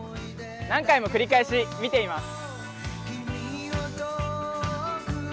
何回も繰り返し見ています。